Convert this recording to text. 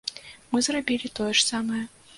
Мы зрабілі тое ж самае.